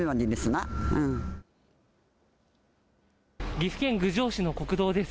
岐阜県郡上市の国道です。